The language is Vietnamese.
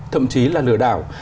thậm chí là lừa đảo